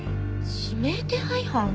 指名手配犯？